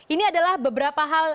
ini adalah beberapa hal